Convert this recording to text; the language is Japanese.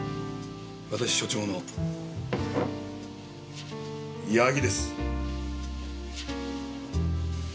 私所長の矢木です。